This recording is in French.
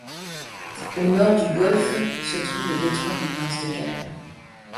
Au nord du golfe se trouve le détroit du Prince-de-Galles.